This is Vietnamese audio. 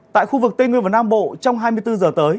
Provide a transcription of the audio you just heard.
tại khu vực tây nguyên và nam bộ trong hai mươi bốn giờ tới